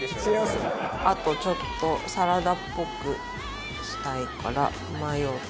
あとちょっとサラダっぽくしたいからマヨ。